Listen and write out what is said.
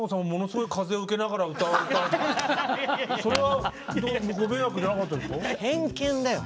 それはご迷惑でなかったですか？